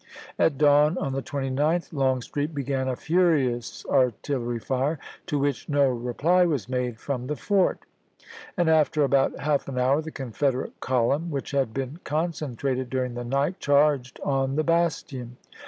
At dawn on the 29th Long nov.,1863. street began a furious artillery fire, to which no reply was made from the fort ; and after about half an houi' the Confederate column, which had been concentrated during the night, charged on the bastion.